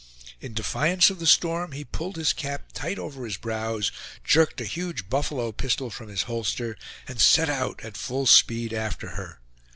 In defiance of the storm, he pulled his cap tight over his brows, jerked a huge buffalo pistol from his holster, and set out at full speed after her.